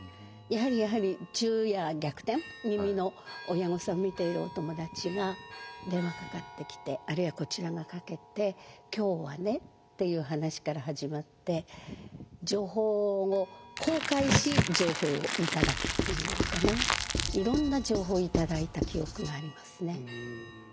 やはりやはり昼夜逆転気味の親御さん見ているお友達が電話かかってきてあるいはこちらがかけて「今日はね」っていう話から始まって情報を公開し情報を頂くっていうのかないろんな情報を頂いた記憶がありますね。